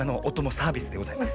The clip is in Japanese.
サービスです。